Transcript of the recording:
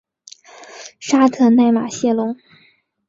沙特奈马谢龙。